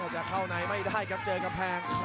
จะเข้าในไม่ได้ครับเจอกำแพง